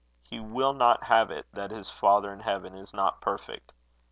He will not have it that his Father in heaven is not perfect.